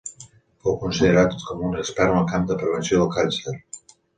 Fou considerat com un expert en el camp de prevenció del càncer.